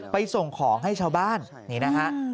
ไปส่งของให้ชาวบ้านนี่นะครับ